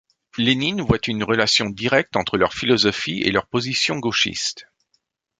Lénine voit une relation directe entre leur philosophie et leurs positions gauchistes.